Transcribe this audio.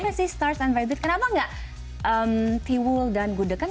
kenapa sih stars and rabbits kenapa nggak tiwul dan gudekan